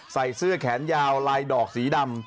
ใส่เสื้อแขนยาวลายดอกสีดำ